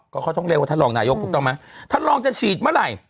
ก็เขาต้องเรียกว่าท่านรองนายกถูกต้องไหมท่านรองจะฉีดเมื่อไหร่